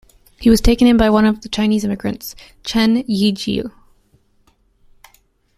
He was taken in by one of the Chinese immigrants, Chen Yijiu.